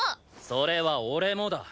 それは俺もだ。